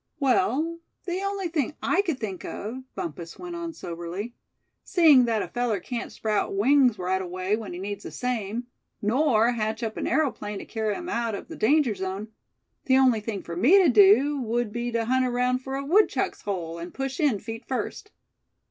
"Well, the only thing I could think of," Bumpus went on, soberly; "seeing that a feller can't sprout wings right away when he needs the same; nor hatch up an aeroplane to carry him out of the danger zone the only thing for me to do would be to hunt around for a woodchuck's hole, and push in, feet first."